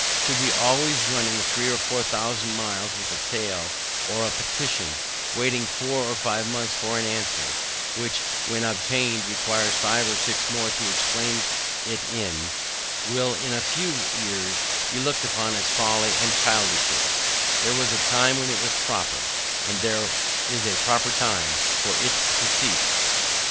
To be always running three or four thousand miles with a tale or a petition, waiting four or five months for an answer, which when obtained requires five or six more to explain it in, will in a few years be looked upon as folly and childishness There was a time when it was proper, and there is a proper time for it to cease.